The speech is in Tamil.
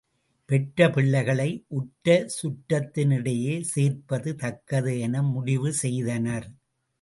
பெற்ற பிள்ளைகளை உற்ற சுற்றத்தினிடையே சேர்ப்பது தக்கது என முடிவு செய்தனர்.